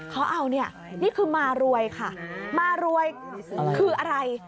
เขาเอาเนี่ยนี่คือมารวยค่ะมารวยคืออะไร